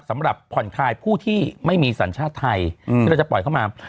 สำหรับผ่อนคลายผู้ที่ไม่มีสัญชาติไทยที่เราจะปล่อยเข้ามา